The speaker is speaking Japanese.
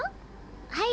はい。